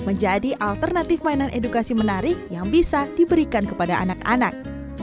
menjadi alternatif mainan edukasi menarik yang bisa diberikan kepada anak anak